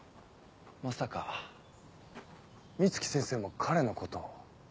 まさか美月先生も彼のことを？